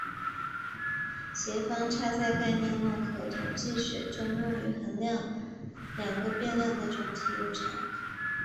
协方差在概率论和统计学中用于衡量两个变量的总体误差。